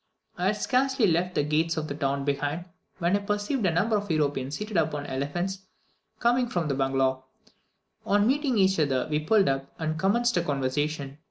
I had scarcely left the gates of the town behind, when I perceived a number of Europeans seated upon elephants, coming from the bungalow. On meeting each other, we pulled up, and commenced a conversation.